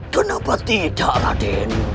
kenapa tidak raden